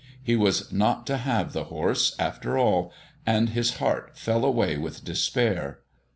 He was not to have the horse, after all, and his heart fell away with despair.